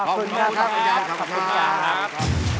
ขอบคุณครับขอบคุณครับ